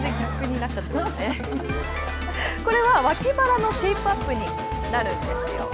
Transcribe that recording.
これは脇腹のシェイプアップになるんですよ。